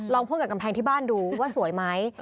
พ่นกับกำแพงที่บ้านดูว่าสวยไหม